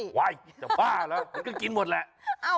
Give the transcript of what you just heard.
พลีฟ่์เลยมันกินหมดแล้ว